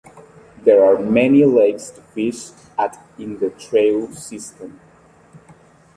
There are many lakes to fish at in the trail system.